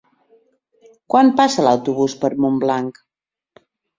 Quan passa l'autobús per Montblanc?